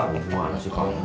bagaimana sih kamu